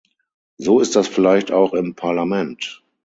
So ist das vielleicht auch im Parlament.